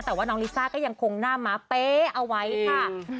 แต่ว่าน้องลิซ่าก็ยังคงหน้าม้าเป๊ะเอาไว้ค่ะ